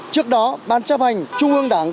trước đó ban chấp hành trung ương đảng